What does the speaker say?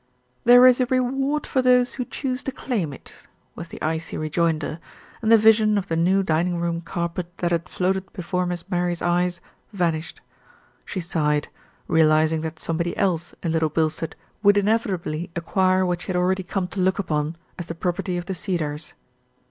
"There is a reward for those who choose to claim it," was the icy rejoinder, and the vision of the new dining room carpet that had floated before Miss Mary's eyes, vanished. She sighed, realising that somebody else in Little Bilstead would inevitably ac quire what she had already come to look upon as the property of The Cedars.